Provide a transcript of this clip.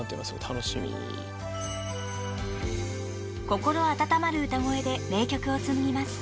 ［心温まる歌声で名曲をつむぎます］